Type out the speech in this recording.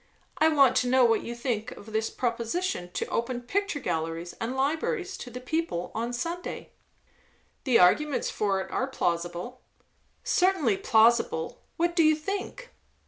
"I want to know what you think of this proposition to open picture galleries and libraries to the people on Sunday?" "The arguments for it are plausible." "Certainly plausible. What do you think?"